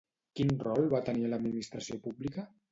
Quin rol va tenir a l'administració pública?